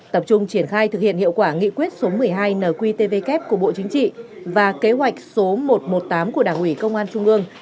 tập trung triển khai thực hiện hiệu quả nghị quyết số một mươi hai nqtvk của bộ chính trị và kế hoạch số một trăm một mươi tám của đảng ủy công an trung ương